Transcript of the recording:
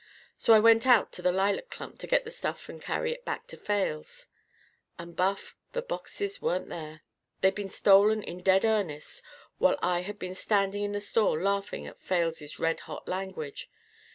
So I went out to the lilac clump to get the stuff and carry it back to Fales. "And, Buff, the boxes weren't there. They'd been stolen in dead earnest while I had been standing in the store laughing at Fales's red hot language.